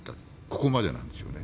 ここまでなんですよね。